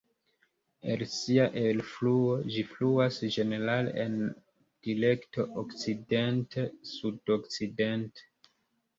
El sia elfluo, ĝi fluas ĝenerale en direkto okcidente-sudokcidente.